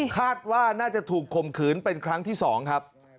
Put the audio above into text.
คาดว่าน่าจะถูกข่มขืนเป็นครั้งที่๒ครับ